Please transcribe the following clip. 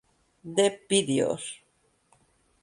The Videos.